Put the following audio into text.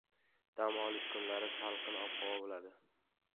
Dam olish kunlari salqin ob-havo bo‘ladi